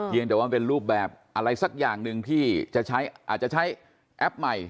เพียงจะว่าเป็นรูปแบบอะไรสักอย่างนึงที่อาจจะใช่แอพใหม่